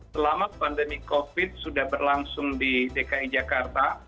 selama pandemi covid sudah berlangsung di dki jakarta